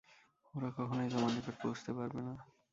ওরা কখনই তোমার নিকট পৌঁছতে পারবে না।